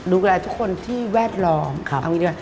ดูแลทุกคนที่แวดลอง